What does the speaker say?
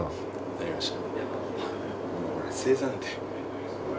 なりました。